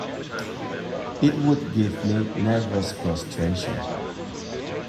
It would give me nervous prostration.